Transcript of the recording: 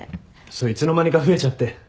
いつの間にか増えちゃって。